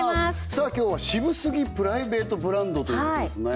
さあ今日はシブすぎプライベートブランドということですね